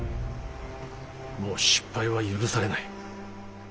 もう失敗は許されない。